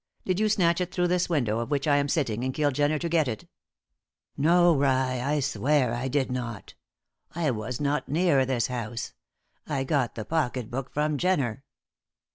Did you snatch it through this window at which I am sitting and kill Jenner to get it?" "No, rye, I swear I did not. I was not near this house; I got the pocket book from Jenner."